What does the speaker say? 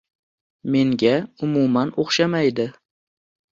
Menga umuman o`xshamaydi